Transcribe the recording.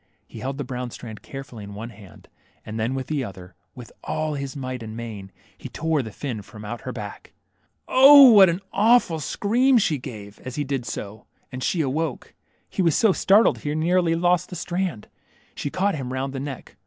He held the brown strand carefully in one hand, and then with the other, with all his might and main, he tore the fin from out her back. 0, what an awful scream she gave, as he did so, 20 THE MERMAID, and she awoke. He was so startled he nearly lost the strand. She caught him round the neck.